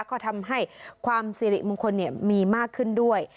ก็ทำให้ความสิริมงคลมีมากขึ้นด้วย